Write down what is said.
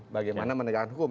bagaimana menegakkan hukum